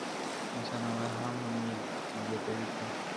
انسانان لا هم زده کوي تل-